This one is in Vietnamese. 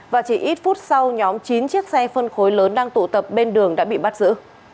và chỉ ít phút sau nhóm chín chiếc xe phân khối lớn đang tụ tập bên đường đã bị bắt giữ